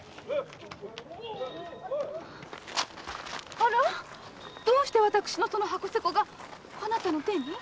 あら？どうして私のその筥迫があなたの手に？